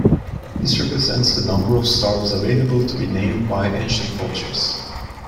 This represents the number of stars available to be named by ancient cultures.